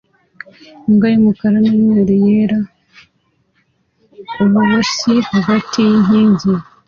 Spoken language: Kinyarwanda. Imbwa y'umukara n'umweru yera ububoshyi hagati yinkingi